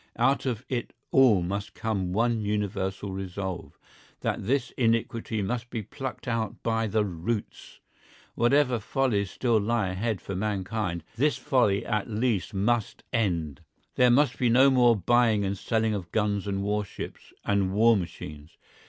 Out of it all must come one universal resolve: that this iniquity must be plucked out by the roots. Whatever follies still lie ahead for mankind this folly at least must end. There must be no more buying and selling of guns and warships and war machines.